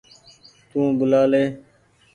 تو ٻوُلآ لي ۔